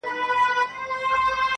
لکه پاڼه د خزان باد به مي یوسي-